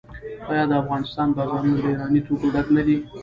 آیا د افغانستان بازارونه له ایراني توکو ډک نه دي؟